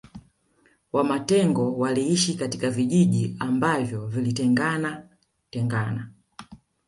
Wamatengo waliishi katika vijiji ambavyo vilitengana tengana